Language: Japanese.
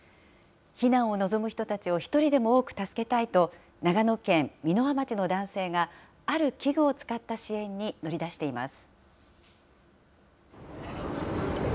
避難を望む人たちを一人でも多く助けたいと長野県箕輪町の男性が、ある器具を使った支援に乗り出しています。